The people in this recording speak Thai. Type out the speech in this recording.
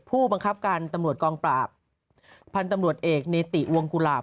ผู้บังคับการตำรวจกองปราบพันธุ์ตำรวจเอกเนติวงกุหลาบ